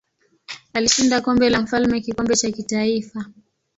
Alishinda Kombe la Mfalme kikombe cha kitaifa.